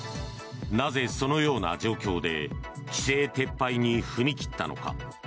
なぜ、そのような状況で規制撤廃に踏み切ったのか。